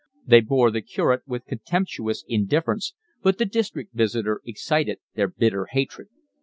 They bore the curate with contemptuous indifference, but the district visitor excited their bitter hatred.